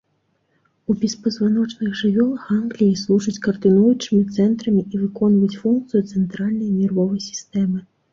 У беспазваночных жывёл гангліі служаць каардынуючымі цэнтрамі і выконваюць функцыю цэнтральнай нервовай сістэмы.